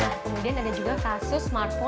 nah kemudian ada juga kasus smartphone